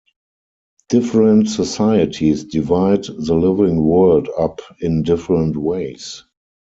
Different societies divide the living world up in different ways.